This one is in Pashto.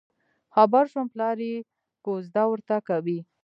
خبر شوم پلار یې کوزده ورته کوي.